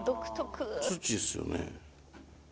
土っすよね。